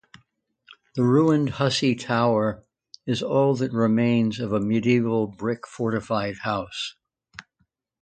The ruined Hussey Tower is all that remains of a medieval brick fortified house.